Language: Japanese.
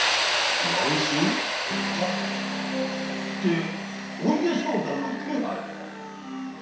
してお家騒動の気配は？